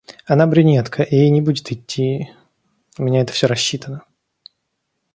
Она брюнетка, и ей не будет итти... У меня это всё рассчитано.